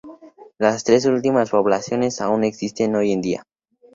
Las tres últimas poblaciones aún existen hoy en día.